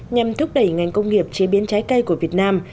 nhằm thúc đẩy ngành công nghiệp chế biến trái cây của việt nam